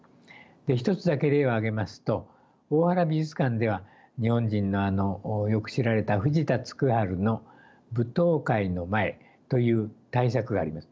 一つだけ例を挙げますと大原美術館では日本人のよく知られた藤田嗣治の「舞踏会の前」という大作があります。